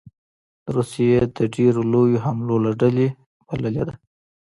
د روسیې د ډېرو لویو حملو له ډلې بللې ده